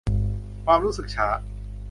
ความรู้สึกช้า